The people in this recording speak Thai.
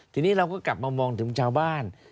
ทีนี้เราก็กลับมามองถึงชาวบ้าน